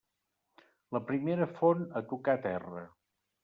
La primera font a tocar terra.